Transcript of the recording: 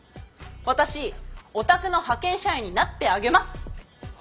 私お宅の派遣社員になってあげます。